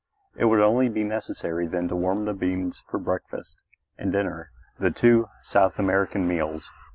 It would only be necessary then to warm the beans for breakfast and dinner, the two South American meals.